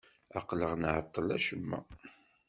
Aql-aɣ nɛeṭṭel acemma.